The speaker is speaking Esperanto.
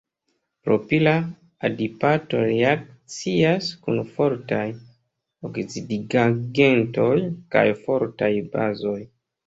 Propila adipato reakcias kun fortaj oksidigagentoj kaj fortaj bazoj.